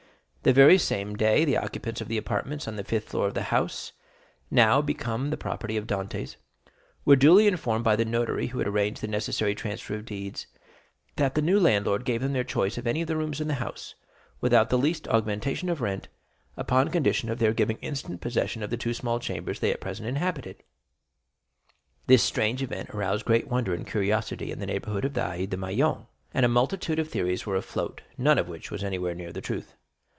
The very same day the occupants of the apartments on the fifth floor of the house, now become the property of Dantès, were duly informed by the notary who had arranged the necessary transfer of deeds, etc., that the new landlord gave them their choice of any of the rooms in the house, without the least augmentation of rent, upon condition of their giving instant possession of the two small chambers they at present inhabited. This strange event aroused great wonder and curiosity in the neighborhood of the Allées de Meilhan, and a multitude of theories were afloat, none of which was anywhere near the truth.